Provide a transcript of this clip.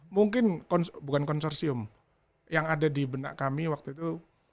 mungkin bukan konsorsium yang ada di benak kami waktu itu